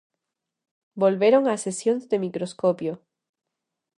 Volveron as sesións de microscopio.